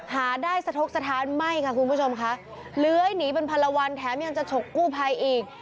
หาได้สะทกสถานไม่ค่ะคุณผู้ชมค่ะเลื้อยหนีเป็นพันละวันแถมยังจะฉกกู้ภัยอีก